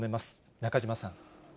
中島さん。